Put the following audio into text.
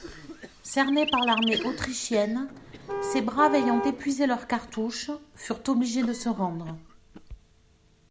Cernés par l'armée autrichienne, ces braves ayant épuisé leurs cartouches, furent obligés de se rendre.